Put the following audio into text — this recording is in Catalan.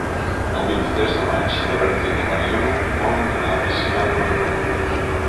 El vint-i-tres de maig na Berta i na Mariona volen anar a visitar mon oncle.